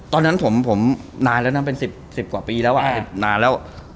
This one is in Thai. ตอนนั้นผมนานแล้วนะเป็นสิบกว่าปีแล้ว